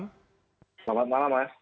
selamat malam mas